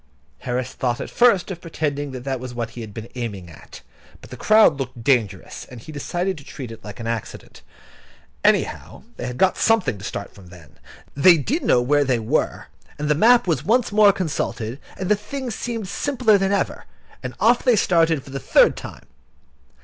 Harris thought at first of pretending that that was what he had been aiming at; but the crowd looked dangerous, and he decided to treat it as an accident. Anyhow, they had got something to start from then. They did know where they were, and the map was once more consulted, and the thing seemed simpler than ever, and off they started for the third time.